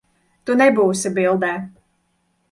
Tu nebūsi bildē.